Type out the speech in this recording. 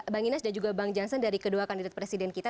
bang inas dan juga bang jansen dari kedua kandidat presiden kita